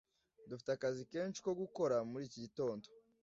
Dufite akazi kenshi ko gukora muri iki gitondo.